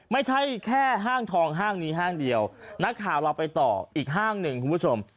ไม่ใช่แค่ห้างทองห้างนี้ห้างเดียวนักข่าวเราไปต่ออีกห้างหนึ่งคุณผู้ชม